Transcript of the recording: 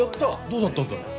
どうだったんだろう。